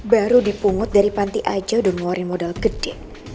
baru dipungut dari panti aja udah ngeluarin modal gede